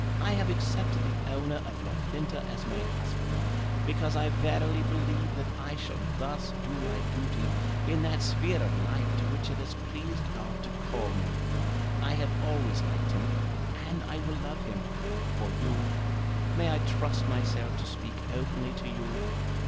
I have accepted the owner of Loughlinter as my husband, because I verily believe that I shall thus do my duty in that sphere of life to which it has pleased God to call me. I have always liked him, and I will love him. For you, may I trust myself to speak openly to you?"